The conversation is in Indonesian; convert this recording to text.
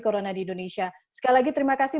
corona di indonesia sekali lagi terima kasih